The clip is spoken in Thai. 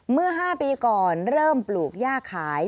เมื่อ๕ปีก่อนเริ่มปลูกย่าขาย